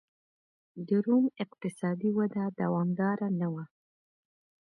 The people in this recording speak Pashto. د روم اقتصادي وده دوامداره نه وه